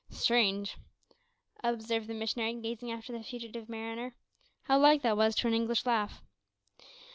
"Strange," observed the missionary, gazing after the fugitive mariner, "how like that was to an English laugh!"